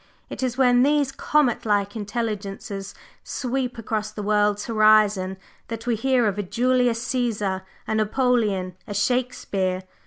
It is when these comet like intelligences sweep across the world's horizon that we hear of a Julius Cæsar, a Napoleon, a Shakespeare.